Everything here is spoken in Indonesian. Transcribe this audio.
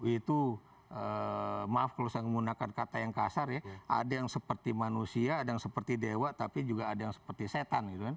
itu maaf kalau saya menggunakan kata yang kasar ya ada yang seperti manusia ada yang seperti dewa tapi juga ada yang seperti setan gitu kan